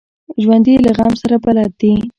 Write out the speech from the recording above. ژوندي له غم سره بلد دي